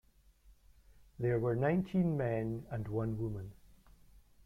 There were nineteen men and one woman.